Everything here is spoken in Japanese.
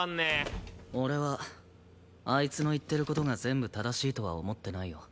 俺はあいつの言ってる事が全部正しいとは思ってないよ。